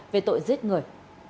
về tội giết người